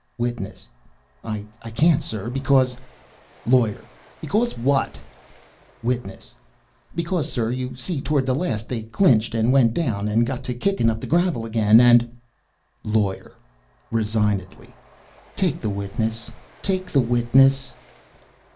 WITNESS. "I can't, sir, because " LAWYER. "Because what?" WITNESS. "Because, sir, you see toward the last they clinched and went down, and got to kicking up the gravel again, and " LAWYER. (Resignedly) "Take the witness take the witness."